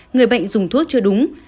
người bệnh dùng thuốc chưa đúng